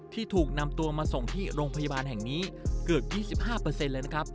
ที่ถูกนำตัวมาส่งที่โรงพยาบาลแห่งนี้เกือบ๒๕เลยนะครับ